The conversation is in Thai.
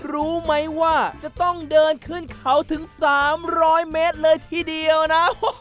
รู้ไหมว่าจะต้องเดินขึ้นเขาถึง๓๐๐เมตรเลยทีเดียวนะ